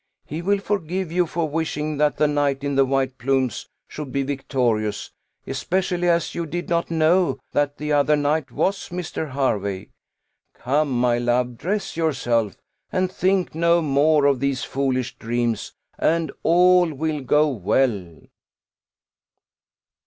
He will forgive you for wishing that the knight in the white plumes should be victorious, especially as you did not know that the other knight was Mr. Hervey. Come, my love, dress yourself, and think no more of these foolish dreams, and all will go well."